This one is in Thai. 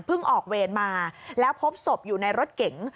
ออกเวรมาแล้วพบศพอยู่ในรถเก๋ง